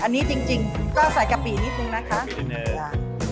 นี้จริงก็ใส่กะปินิดนึงนะครับ